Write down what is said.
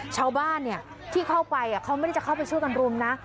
ชาวบ้านที่เข้าไปเขาไม่ได้จะเข้าไปช่วยกันรุมนะ